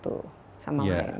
itulah saya sering mengatakan